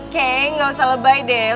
kay gausah lebay deh